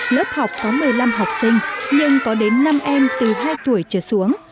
lớp học có một mươi năm học sinh nhưng có đến năm em từ hai tuổi trở xuống